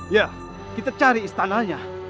ya kita cari istananya